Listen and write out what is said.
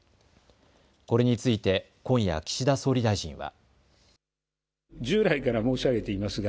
これについて今夜、岸田総理大臣は。